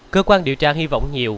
cơ quan điều tra hy vọng nhiều